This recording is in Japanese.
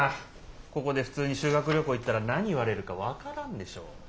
ここで普通に修学旅行行ったら何言われるか分からんでしょ。